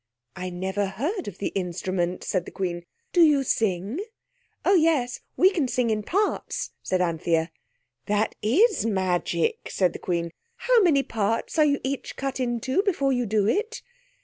"I never heard of the instrument," said the Queen. "Do you sing?" "Oh, yes. We can sing in parts," said Anthea. "That is magic," said the Queen. "How many parts are you each cut into before you do it?"